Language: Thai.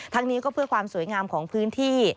นี้ก็เพื่อความสวยงามของพื้นที่